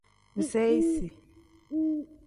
Biseyisi.